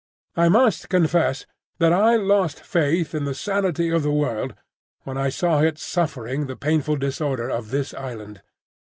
I must confess that I lost faith in the sanity of the world when I saw it suffering the painful disorder of this island.